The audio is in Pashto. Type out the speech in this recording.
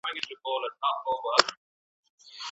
که تخیل وځپل سي نو نوښت له منځه ځي.